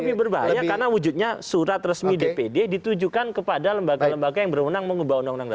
lebih berbahaya karena wujudnya surat resmi dpd ditujukan kepada lembaga lembaga yang berundang undang